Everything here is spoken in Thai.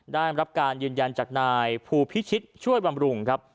ได้รับการยืนยันจากนายภูพิชิตช่วยบำรุงครับ